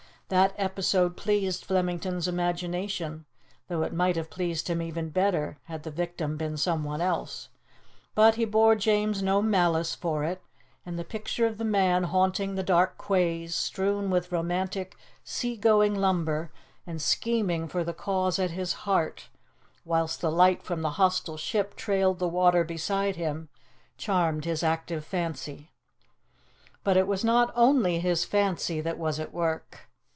That episode pleased Flemington's imagination though it might have pleased him even better had the victim been someone else; but he bore James no malice for it, and the picture of the man haunting the dark quays, strewn with romantic, sea going lumber, and scheming for the cause at his heart, whilst the light from the hostile ship trailed the water beside him, charmed his active fancy. But it was not only his fancy that was at work.